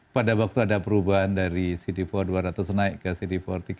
pada waktu ada perubahan dari cd empat dua ratus naik ke cd empat tiga ratus lima puluh